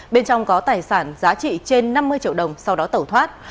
bên trong có tài sản giá trị trên năm mươi triệu đồng sau đó tẩu thoát